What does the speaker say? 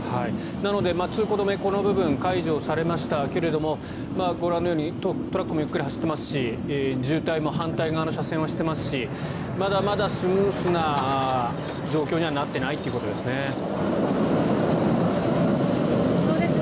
なので通行止め、この部分解除されましたがご覧のようにトラックもゆっくり走っていますし渋滞も反対側の車線はしていますしまだまだスムーズな状況にはなっていないということですね。